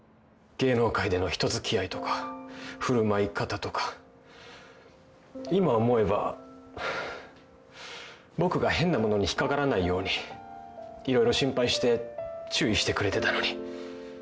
芸能界での人付き合いとか振る舞い方とか今思えば僕が変なものに引っ掛からないように色々心配して注意してくれてたのに。